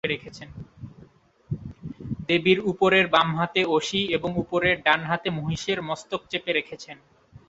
দেবীর উপরের বামহাতে অসি এবং উপরের ডানহাতে মহিষের মস্তক চেপে রেখেছেন।